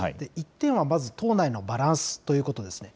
１点はまず党内のバランスということですね。